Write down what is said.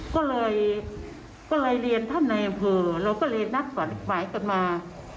ก็เลยเรียนท่านนายเผลอเราก็เรียนนักกว่าหนักหมายกันมา